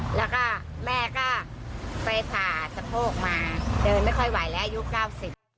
แล้วก็แม่ก็ไปผ่าสะโพกมาเดินไม่ค่อยไหวแล้วอายุเก้าสิบ